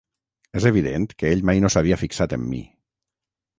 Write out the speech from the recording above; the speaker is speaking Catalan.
És evident que ell mai no s'havia fixat en mi.